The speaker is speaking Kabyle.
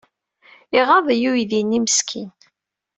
Iɣaḍ-iyi uydi-nni meskin.